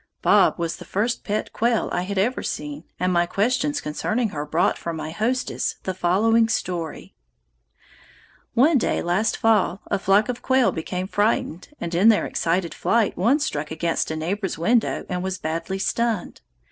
Bob was the first pet quail I had ever seen, and my questions concerning her brought from my hostess the following story: "One day last fall a flock of quail became frightened, and in their excited flight one struck against a neighbor's window and was badly stunned.